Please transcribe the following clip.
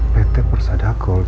pt persada gold